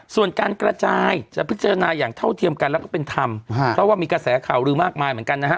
ส่วนการกระจายจะพิจารณาอย่างเท่าเทียมกันแล้วก็เป็นธรรมเพราะว่ามีกระแสข่าวลือมากมายเหมือนกันนะฮะ